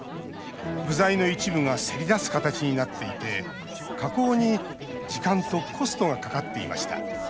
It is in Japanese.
部材の一部がせり出す形になっていて加工に、時間とコストがかかっていました。